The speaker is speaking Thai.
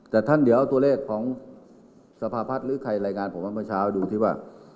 แต่ท่านเดี๋ยวเอาตัวเลขของสภาพัฒน์หรือใครรายงานผมว่าเมื่อเช้าดูที่ว่า